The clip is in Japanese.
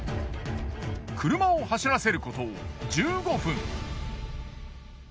車を走らせること１５分。